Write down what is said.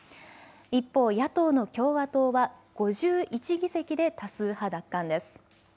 一方、野党の共和党は５１議席で多数派奪還です。